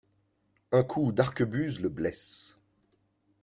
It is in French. Un coup d'arquebuse le blesse.